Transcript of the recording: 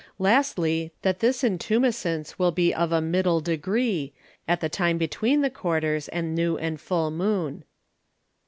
Lastly, That this Intumescence will be of a middle degree, at the time between the Quarters, and New and Full Moon.